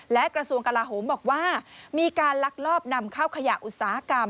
และกระทรวงกลาโหมบอกว่ามีการลักลอบนำเข้าขยะอุตสาหกรรม